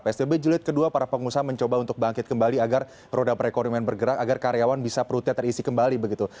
psbb jelit kedua para pengusaha mencoba untuk bangkit kembali agar roda perekonomian bergerak agar karyawan bisa perutnya terisi kembali begitu